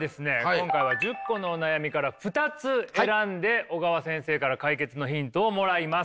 今回は１０個のお悩みから２つ選んで小川先生から解決のヒントをもらいます。